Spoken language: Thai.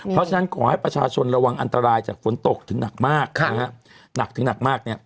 เพราะฉะนั้นขอให้ประชาชนระวังอันตรายจากฝนตกถึงหนักมาก